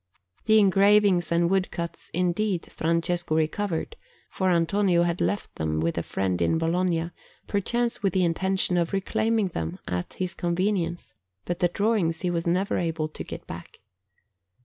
The engravings and woodcuts, indeed, Francesco recovered, for Antonio had left them with a friend in Bologna, perchance with the intention of reclaiming them at his convenience; but the drawings he was never able to get back.